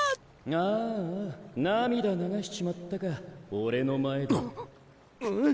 ・ああ涙流しちまったか俺の前で・ん？